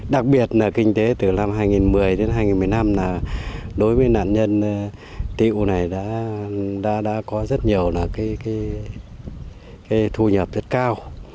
đặc biệt là kinh tế từ năm hai nghìn một mươi đến hai nghìn một mươi năm đối với nạn nhân tiểu này đã có rất nhiều thu nhập rất cao